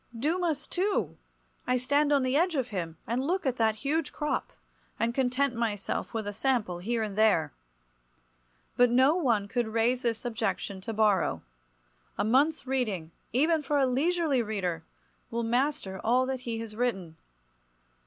Dumas, too! I stand on the edge of him, and look at that huge crop, and content myself with a sample here and there. But no one could raise this objection to Borrow. A month's reading—even for a leisurely reader—will master all that he has written.